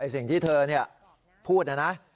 สิ่งที่เธอพูดนะนะ